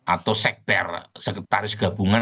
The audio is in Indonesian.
atau sekretaris gabungan